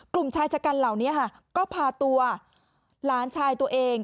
กลุ่มชายชะกันเหล่านี้ค่ะก็พาตัวหลานชายตัวเอง